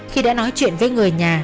khi đã nói chuyện với người nhà